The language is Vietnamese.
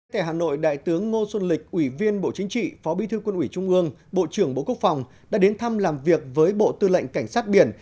tại hà nội đại tướng ngô xuân lịch ủy viên bộ chính trị phó bi thư quân ủy trung ương bộ trưởng bộ quốc phòng đã đến thăm làm việc với bộ tư lệnh cảnh sát biển